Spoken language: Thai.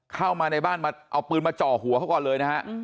เข้ามาในบ้านมาเอาปืนมาจ่อหัวเขาก่อนเลยนะฮะ